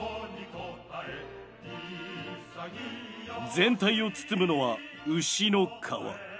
全体を包むのは牛の革。